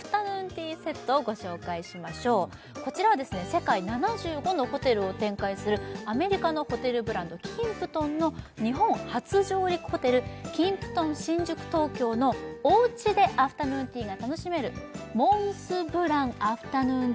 ティーセットをご紹介しましょうこちらは世界７５のホテルを展開するアメリカのホテルブランドキンプトンの日本初上陸ホテルキンプトン新宿東京のおうちでアフタヌーンティーが楽しめる“モンスブラン”アフタヌーン